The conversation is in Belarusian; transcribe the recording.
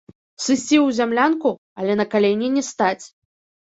Сысці ў зямлянку, але на калені не стаць.